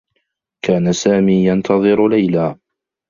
كان سامي ينتظر ليلى.